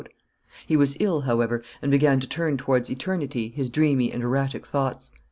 He was ill, however, and began to turn towards eternity his dreamy and erratic thoughts.